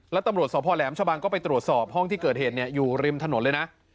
แล้วตำรวจสพแหลมชะบังก็ไปตรวจสอบห้องที่เกิดเหตุอยู่ริมถนนเลยนะ